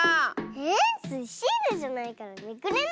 ⁉えスイシールじゃないからめくれないよ。